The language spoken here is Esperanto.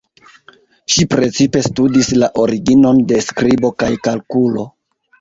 Ŝi precipe studis la originon de skribo kaj kalkulo.